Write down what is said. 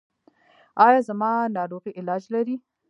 ایا زما ناروغي علاج لري؟